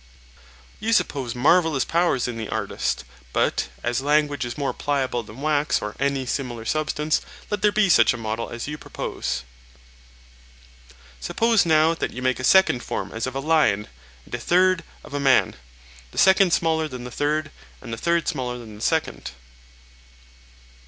You suppose marvellous powers in the artist; but, as language is more pliable than wax or any similar substance, let there be such a model as you propose. Suppose now that you make a second form as of a lion, and a third of a man, the second smaller than the first, and the third smaller than the second.